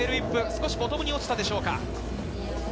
少しボトムに落ちたでしょうか。